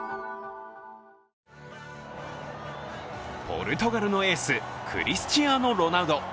ポルトガルのエースクリスチアーノ・ロナウド。